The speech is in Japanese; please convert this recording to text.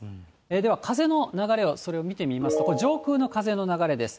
では、風の流れを、それを見てみますと、これ、上空の風の流れです。